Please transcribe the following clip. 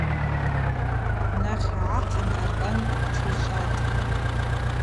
Днахъ-гӏахъын аркъан шӏичӏватӏ.